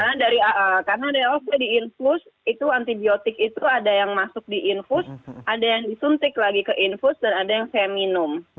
karena dari karena dari infus itu antibiotik itu ada yang masuk di infus ada yang disuntik lagi ke infus dan ada yang saya minum